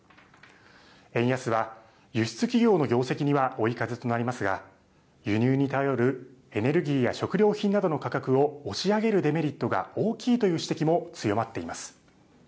円安は輸出企業の業績には追い風となりますが輸入に頼るエネルギーや食料品などの価格を押し上げるデメリットが大きいという指摘も強まっています。